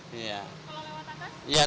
kalau lewat atas